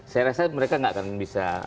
saya rasa mereka nggak akan bisa